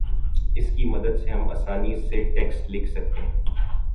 اس کی مدد سے ہم آسانی سے ٹیکسٹ لکھ سکتے ہیں